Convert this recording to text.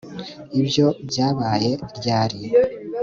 ibyo byabaye ryari